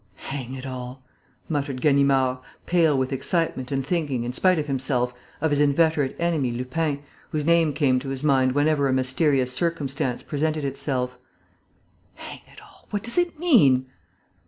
"Hang it all!" muttered Ganimard, pale with excitement and thinking, in spite of himself, of his inveterate enemy, Lupin, whose name came to his mind whenever a mysterious circumstance presented itself. "Hang it all, what does it mean?"